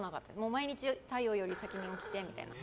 毎日、太陽より先に起きてみたいな。